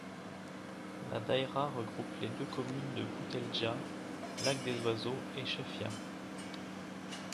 La daïra regroupe les deux communes de Bouteldja, Lac des Oiseaux et Chefia.